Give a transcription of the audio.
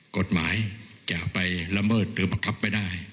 กฎหมายจะไปละเมิดหรือบังคับไม่ได้